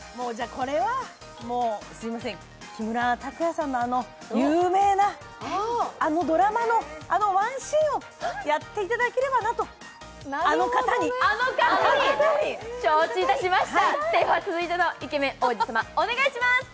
これは木村拓哉さんのあの有名なあのドラマのあのワンシーンをやっていただければなと承知いたしました。